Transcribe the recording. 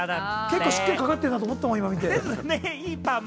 結構しっかりかかってるなと思ったもん。